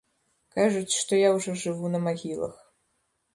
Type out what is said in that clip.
Кажуць, што я ўжо жыву на магілах.